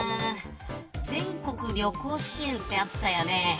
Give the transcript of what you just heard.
全国旅行支援ってあったよね。